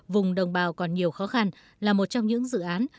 vùng đồng bào còn nhiều khó khăn là một trong những dự án